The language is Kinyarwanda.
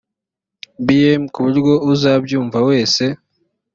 bm ku buryo uzabyumva wese